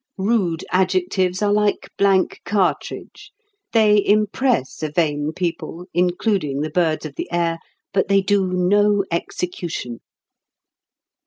Rude adjectives are like blank cartridge. They impress a vain people, including the birds of the air, but they do no execution.